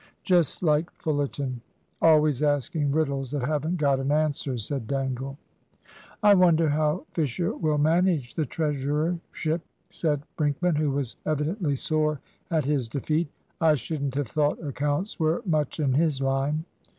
"Just like Fullerton. Always asking riddles that haven't got an answer," said Dangle. "I wonder how Fisher will manage the treasurership," said Brinkman, who was evidently sore at his defeat. "I shouldn't have thought accounts were much in his line."